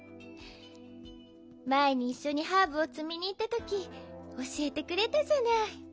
まえにいっしょにハーブをつみにいったときおしえてくれたじゃない。